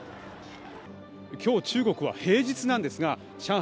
今日、中国は平日なんですが上海